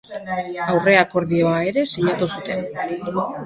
Aurre-akordioa ere sinatu zuten.